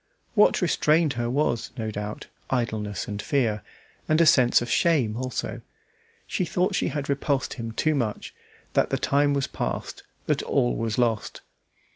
What restrained her was, no doubt, idleness and fear, and a sense of shame also. She thought she had repulsed him too much, that the time was past, that all was lost.